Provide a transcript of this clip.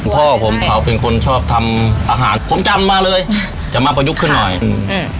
พ่อผมเขาเป็นคนชอบทำอาหารผมจำมาเลยจะมาประยุกต์ขึ้นหน่อยอืม